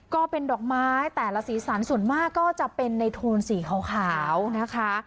ก็เป็นดอกไม้แต่ละสีสันส่วนมากก็จะเป็นในโทนสีขาวนะคะ